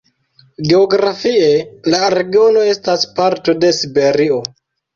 Geografie la regiono estas parto de Siberio.